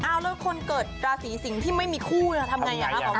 อ้าวแล้วคนเกิดราศรีสิงห์ที่ไม่มีคู่เนี่ยทำไงครับ